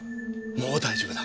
もう大丈夫だ。